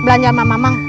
belanja sama mamang